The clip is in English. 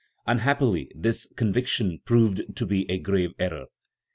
Unhappily, this " conviction " proved to be a grave error.